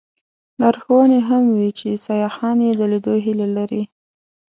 لارښوونې هم وې چې سیاحان یې د لیدلو هیله لري.